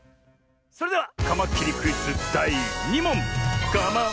それではカマキリクイズだい２もん。